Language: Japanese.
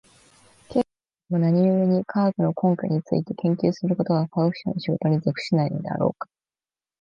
けれども何故に、科学の根拠について研究することが科学者の仕事に属しないのであろうか。